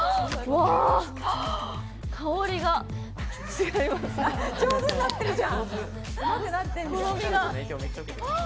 香りが違います。